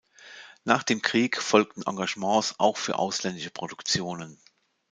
Nach dem Krieg folgten Engagements auch für ausländische Produktionen.